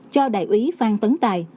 cho đại ý phan tấn tài